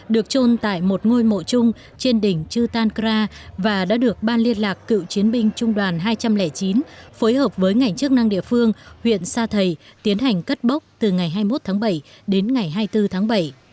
được trôn tại một ngôi mộ chung trên đỉnh chư tan kra và đã được ban liên lạc cựu chiến binh trung đoàn hai trăm linh chín phối hợp với ngành chức năng địa phương huyện sa thầy tiến hành cất bốc từ ngày hai mươi một tháng bảy đến ngày hai mươi bốn tháng bảy